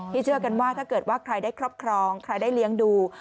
เชื่อกันว่าถ้าเกิดว่าใครได้ครอบครองใครได้เลี้ยงดู